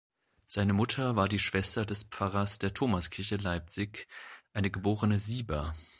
Seine Mutter war die Schwester des Pfarrers der Thomaskirche Leipzig, eine geborene Sieber.